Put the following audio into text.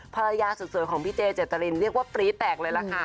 ภรรยาสุดสวยของพี่เจเจตรินเรียกว่าปรี๊แตกเลยล่ะค่ะ